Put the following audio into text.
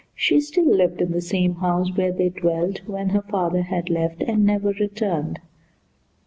She still lived in the same house where they dwelt when her father had left and never returned.